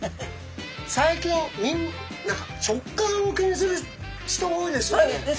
最近何か食感を気にする人多いですよね。